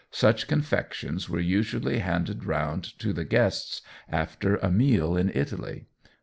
Such confections were usually handed round to the guests after a meal in Italy.